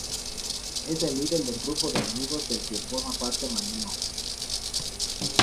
Es el líder del grupo de amigos del que forma parte Manlio.